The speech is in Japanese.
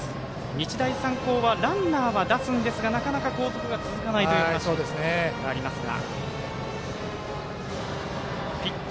日大三高はランナーは出すんですがなかなか後続が続かないことがありますが。